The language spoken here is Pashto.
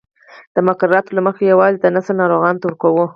د مقرراتو له مخې یوازې د سِل ناروغانو ته ورکوو.